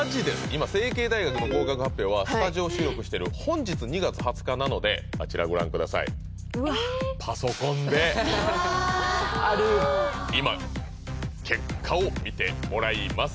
今成蹊大学の合格発表はスタジオ収録してる本日２月２０日なのでパソコンで今結果を見てもらいます